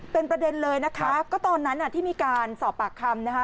เป็นประเด็นเลยนะคะก็ตอนนั้นที่มีการสอบปากคำนะคะ